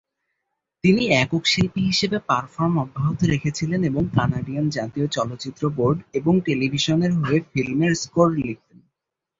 তিনি একক শিল্পী হিসাবে পারফর্ম অব্যাহত রেখেছিলেন এবং কানাডিয়ান জাতীয় চলচ্চিত্র বোর্ড এবং টেলিভিশনের হয়ে ফিল্মের স্কোর লিখতেন।